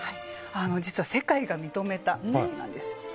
実は世界が認めた一品なんです。